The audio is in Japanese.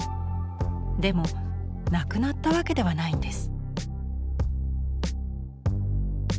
でもなくなったわけではないんです。